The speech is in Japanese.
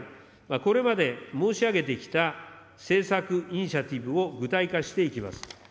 これまで申し上げてきた政策イニシアチブを具体化していきます。